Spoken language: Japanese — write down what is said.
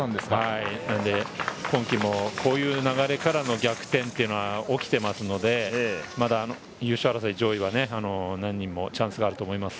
なので今季もこういう流れからの逆転というのは起きていますので、まだ優勝争い、上位は誰にもチャンスがあると思います。